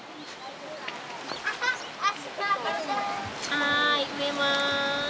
はーい植えまーす。